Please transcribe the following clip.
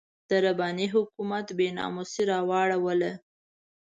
د رباني حکومت بې ناموسي راواړوله.